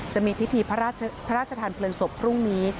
จะมีพิธีพระราชธรรมเปลืองศพพรุ่งนี้